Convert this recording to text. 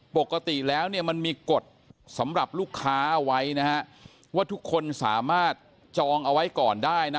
ปกติแล้วเนี่ยมันมีกฎสำหรับลูกค้าเอาไว้นะฮะว่าทุกคนสามารถจองเอาไว้ก่อนได้นะ